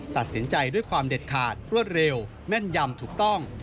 ตัดสินใจด้วยความเด็ดขาดรวดเร็วแม่นยำถูกต้อง